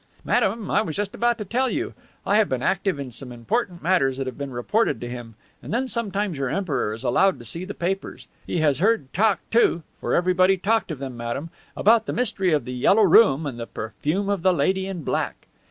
"Madame, I was just about to tell you. I have been active in some important matters that have been reported to him, and then sometimes your Emperor is allowed to see the papers. He has heard talk, too (for everybody talked of them, madame), about the Mystery of the Yellow Room and the Perfume of the Lady in Black."